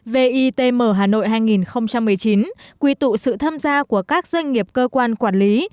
vitm hà nội hai nghìn một mươi chín quy tụ sự tham gia của các doanh nghiệp cơ quan quản lý